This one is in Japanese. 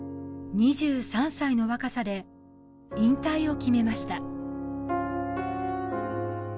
２３歳の若さで引退を決めました